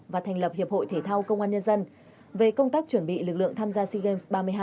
và thành lập hiệp hội thể thao công an nhân dân về công tác chuẩn bị lực lượng tham gia sea games ba mươi hai